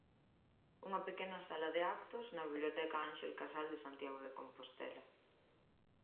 Unha pequena sala de actos da Biblioteca Ánxel Casal de Santiago de Compostela.